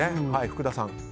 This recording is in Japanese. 福田さん。